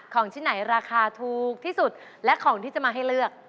ของที่ไหนราคาถูกที่สุดและของที่จะมาให้เลือก